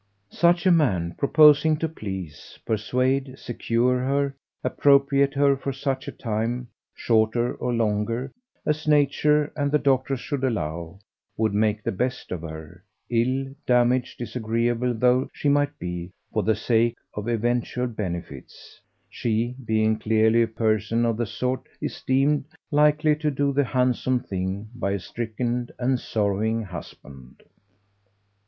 Such a man, proposing to please, persuade, secure her, appropriate her for such a time, shorter or longer, as nature and the doctors should allow, would make the best of her, ill, damaged, disagreeable though she might be, for the sake of eventual benefits: she being clearly a person of the sort esteemed likely to do the handsome thing by a stricken and sorrowing husband.